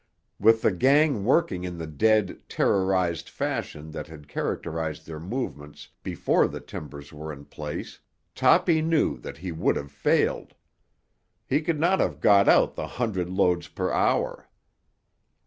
With the gang working in the dead, terrorised fashion that had characterised their movements before the timbers were in place, Toppy knew that he would have failed; he could not have got out the hundred loads per hour.